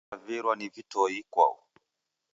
Odevavirwa ni vitoi ikwau.